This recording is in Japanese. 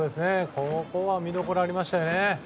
ここは見どころありましたよね。